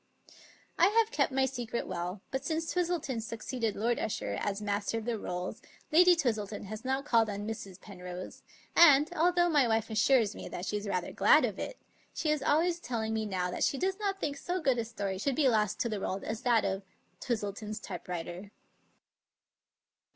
I have kept my secret well, but since Twistleton suc ceeded Lord Usher as Master of the Rolls Lady Twistleton has not called on Mrs. Penrose, and, although my wife assures me that she is rather glad of it, she is always tell ing me now that she does not think so good a story should be lost to the world as that of " Twistleton's typewriter."